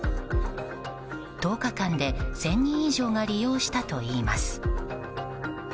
１０日間で１０００人以上が利用したといいます。